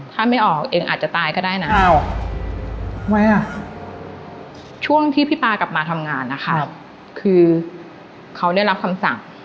ถ้าไม่ออกเองอาจจะตายก็ได้นะ